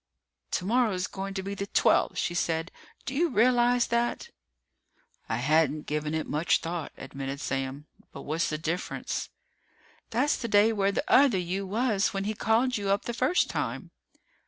"Tomorrow's going to be the twelfth," she said. "Do you realize that?" "I hadn't given it much thought," admitted Sam, "but what's the difference?" "That's the day where the other you was when he called you up the first time."